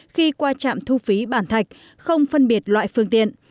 khi qua trạm thu phí bản thạch không phân biệt loại phương tiện